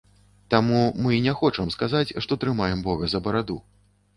Таму і мы не хочам сказаць, што трымаем бога за бараду.